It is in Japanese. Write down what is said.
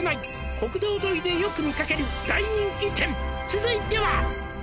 「国道沿いでよく見かける大人気店続いては」